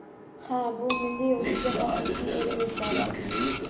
Ha, bu milliy o'ziga xoslikning elementlari